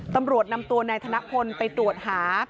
ตำรวจนำตัวนายธนพลไปตรวจหา